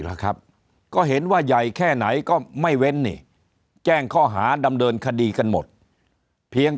ล่ะครับก็เห็นว่าใหญ่แค่ไหนก็ไม่เว้นนี่แจ้งข้อหาดำเนินคดีกันหมดเพียง